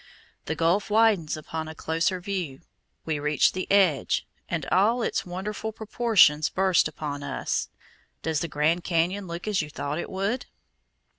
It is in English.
The gulf widens upon a closer view, we reach the edge, and all its wonderful proportions burst upon us. Does the Grand Cañon look as you thought it would?